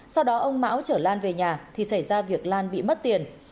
sau đó ông mão trở lan về nhà thì xảy ra việc lan bị mất tiền